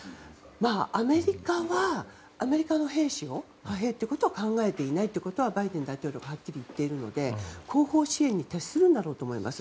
アメリカはアメリカの兵士を派兵ということは考えていないということはバイデン大統領がはっきり言っているので後方支援に徹するんだろうと思います。